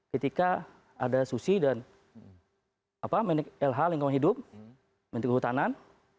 ketika ada susi dan menik elha lingkungan hidup menik kehutanan